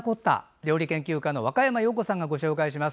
料理研究家の若山曜子さんがご紹介します。